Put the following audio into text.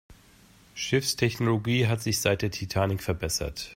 Schiffstechnologie hat sich seit der Titanic verbessert.